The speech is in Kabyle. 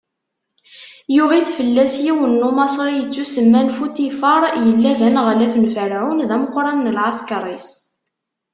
Yuɣ-it fell-asen yiwen n Umaṣri yettusemman Futifaṛ, yellan d aneɣlaf n Ferɛun, d ameqran n lɛeskeṛ-is.